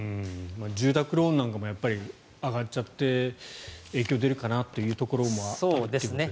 住宅ローンなんかも上がっちゃって影響出るかなというところもということですかね。